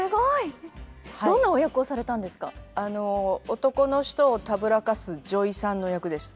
男の人をたぶらかす女医さんの役でした。